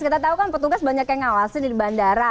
kita tahu kan petugas banyak yang ngawasi di bandara